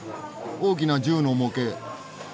大きな銃の模型。